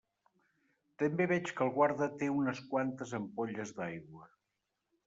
També veig que el guarda té unes quantes ampolles d'aigua.